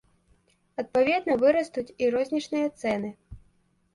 Адпаведна вырастуць і рознічныя цэны.